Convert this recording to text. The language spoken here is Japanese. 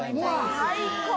最高。